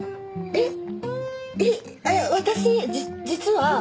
えっ！